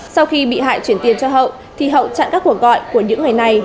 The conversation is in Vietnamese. sau khi bị hại chuyển tiền cho hậu thì hậu chặn các cuộc gọi của những người này